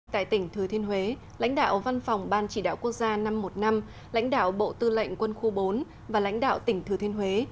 tại tỉnh thừa thiên huế lãnh đạo văn phòng ban chỉ đạo quốc gia năm trăm một mươi năm lãnh đạo bộ tư lệnh quân khu bốn và lãnh đạo tỉnh thừa thiên huế